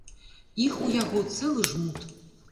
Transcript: Іх у яго цэлы жмут.